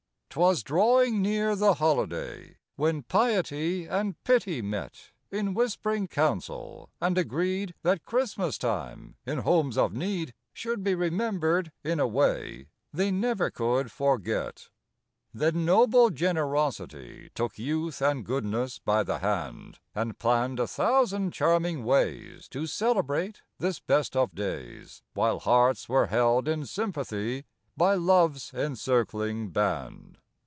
'Twas drawing near the holiday, When piety and pity met In whisp'ring council, and agreed That Christmas time, in homes of need, Should be remembered in a way They never could forget. Then noble generosity Took youth and goodness by the hand, And planned a thousand charming ways To celebrate this best of days, While hearts were held in sympathy By love's encircling band.